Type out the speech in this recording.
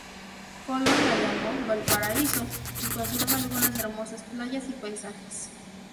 Colón la llamó Valparaíso, y conserva algunas hermosas playas y paisajes.